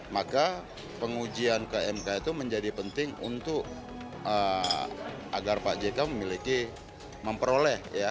maka pengujian kmk itu menjadi penting untuk agar pak jk memiliki memperoleh ya